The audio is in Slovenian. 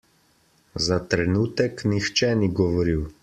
Za trenutek nihče ni govoril.